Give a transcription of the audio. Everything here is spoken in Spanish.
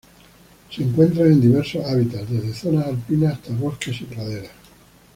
Se encuentran en diversos hábitats, desde zonas alpinas hasta bosques y praderas.